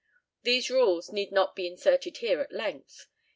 These rules need not be inserted here at length.